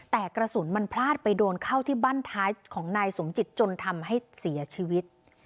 แต่กระสุนมันพลาดไปโดนเข้าที่บ้านท้ายของนายสมจิตจนทำให้เสียชีวิต